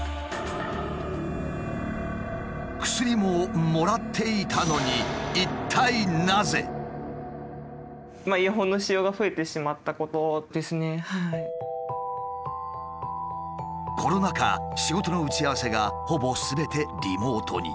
薬ももらっていたのにコロナ禍仕事の打ち合わせがほぼすべてリモートに。